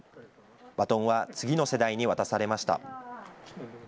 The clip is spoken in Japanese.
バトンは次の世代に渡されました。